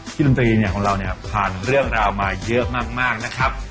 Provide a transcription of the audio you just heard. ดนตรีเนี่ยของเราเนี่ยผ่านเรื่องราวมาเยอะมากนะครับ